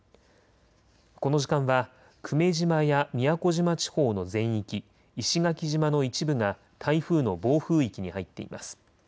この時間は久米島や宮古島地方の全域、石垣島の一部が台風の暴風域に入っています。